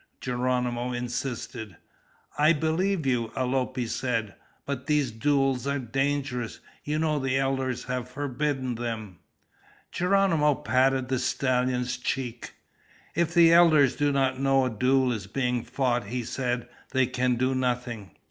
Geronimo insisted. "I believe you," Alope said. "But these duels are dangerous. You know the elders have forbidden them." Geronimo patted the stallion's cheek. "If the elders do not know a duel is being fought," he said, "they can do nothing."